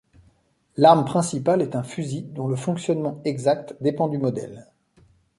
L'arme principale est un fusil dont le fonctionnement exact dépend du modèle.